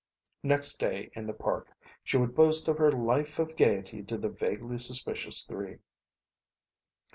Next day, in the park, she would boast of her life of gayety to the vaguely suspicious three.